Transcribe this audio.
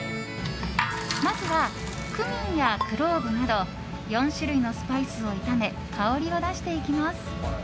まずはクミンやクローブなど４種類のスパイスを炒め香りを出していきます。